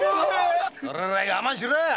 それぐらい我慢しろよ！